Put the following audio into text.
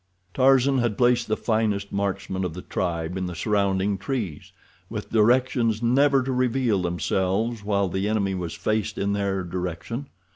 Tarzan had placed the finest marksmen of the tribe in the surrounding trees, with directions never to reveal themselves while the enemy was faced in their direction.